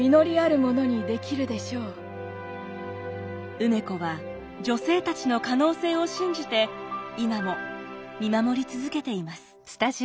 梅子は女性たちの可能性を信じて今も見守り続けています。